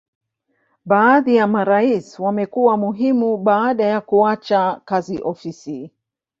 Baadhi ya marais wamekuwa muhimu baada ya kuacha kazi ofisi.